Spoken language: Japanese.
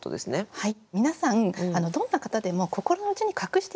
はい。